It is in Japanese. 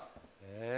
え？